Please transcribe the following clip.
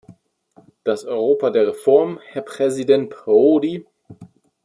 Das Europa der Reform, Herr Präsident Prodi?